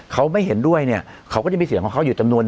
เขาไม่เห็นด้วยเนี่ยเขาก็จะมีเสียงของเขาอยู่จำนวน